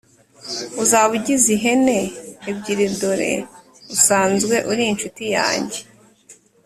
uzaba ugize ihene ebyiri dore usanzwe uri inshuti yange.”